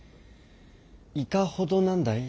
いかほどなんだい？